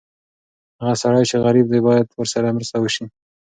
هغه سړی چې غریب دی، باید ورسره مرسته وشي.